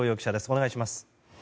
お願いします。